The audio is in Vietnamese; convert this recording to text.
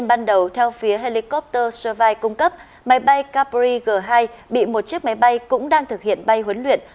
ban đầu theo phía helicopter servay cung cấp máy bay capri g hai bị một chiếc máy bay cũng đang thực hiện bay huấn luyện